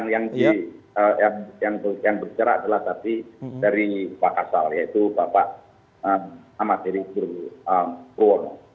yang bercerak adalah tadi dari pak kasal yaitu bapak amatirik purwono